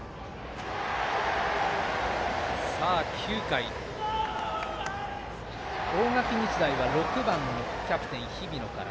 ９回、大垣日大は６番のキャプテン、日比野から。